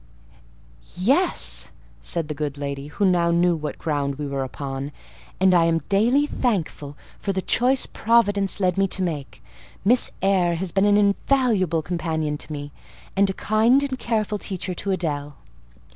"Yes," said the good lady, who now knew what ground we were upon, "and I am daily thankful for the choice Providence led me to make. Miss Eyre has been an invaluable companion to me, and a kind and careful teacher to Adèle."